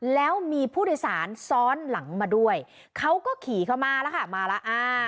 แล้วมีผู้โดยสารซ้อนหลังมาด้วยเขาก็ขี่เข้ามาแล้วค่ะมาแล้วอ่า